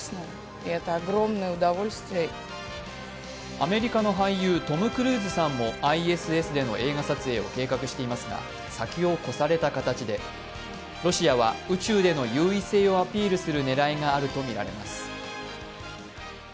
アメリカの俳優、トム・クルーズさんもＩＳＳでの映画撮影を計画していますが先を越された形でロシアは宇宙での優位性をアピールする狙いがあるとみられます。